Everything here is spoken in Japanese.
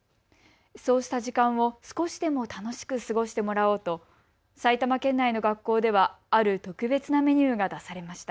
そうした時間を少しでも楽しく過ごしてもらおうと埼玉県内の学校では、ある特別なメニューが出されました。